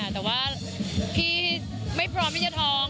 แต่ว่าพี่ไม่พร้อมที่จะท้อง